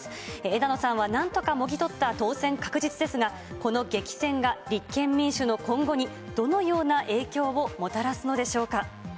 枝野さんは、なんとかもぎ取った当選確実ですが、この激戦が立憲民主の今後に、どのような影響をもたらすのでしょうか。